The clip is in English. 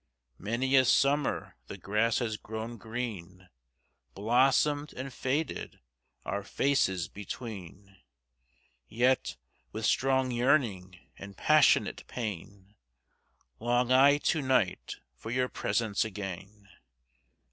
Many a summer the grass has grown green, Blossomed and faded, our faces between:Yet, with strong yearning and passionate pain, Long I to night for your presence again.